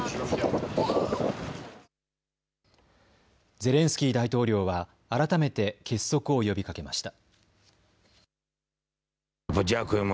ゼレンスキー大統領は改めて結束を呼びかけました。